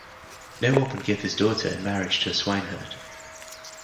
No one would give his daughter in marriage to a swineherd.